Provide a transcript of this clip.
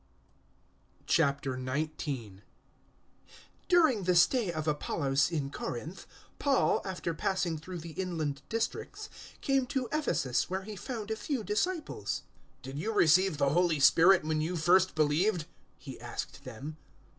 019:001 During the stay of Apollos in Corinth, Paul, after passing through the inland districts, came to Ephesus, where he found a few disciples. 019:002 "Did you receive the Holy Spirit when you first believed?" he asked them.